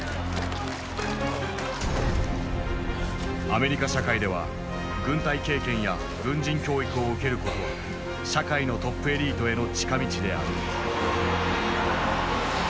アメリカ社会では軍隊経験や軍人教育を受けることは社会のトップエリートへの近道である。